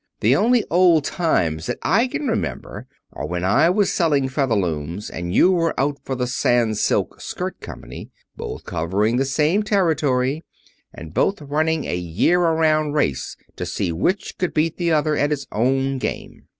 "The only old times that I can remember are when I was selling Featherlooms, and you were out for the Sans Silk Skirt Company, both covering the same territory, and both running a year around race to see which could beat the other at his own game.